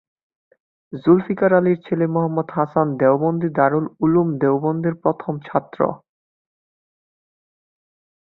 জুলফিকার আলীর ছেলে মাহমুদ হাসান দেওবন্দি দারুল উলুম দেওবন্দের প্রথম ছাত্র।